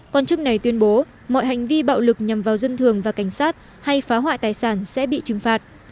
quan chức này tuyên bố mọi hành vi bạo lực nhằm vào dân thường và cảnh sát hay phá hoại tài sản sẽ bị trừng phạt